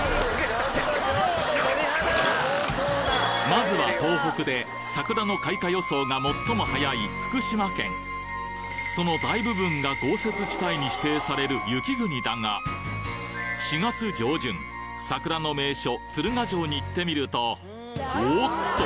まずは東北で桜の開花予想が最も早い福島県に指定される雪国だが４月上旬桜の名所鶴ヶ城に行ってみるとおおっと！